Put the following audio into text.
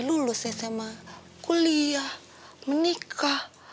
lulus sma kuliah menikah